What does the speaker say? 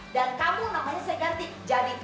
kamu namanya saya ganti jadi